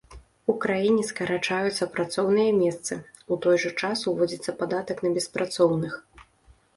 У краіне скарачаюцца працоўныя месцы, у той жа час ўводзіцца падатак на беспрацоўных.